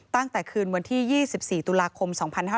ตั้งแต่คืนวันที่๒๔ตุลาคม๒๕๕๙